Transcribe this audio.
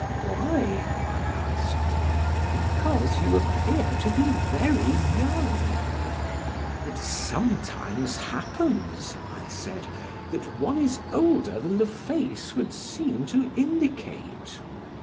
"Why?" I asked. "Because you appear to be very young." "It sometimes happens," I said, "that one is older than the face would seem to indicate."